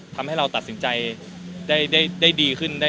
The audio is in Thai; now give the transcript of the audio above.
ทำให้เราตัดสินใจได้ดีขึ้น